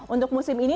untuk musim ini